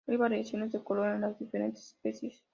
Hay variaciones de color en las diferentes especies.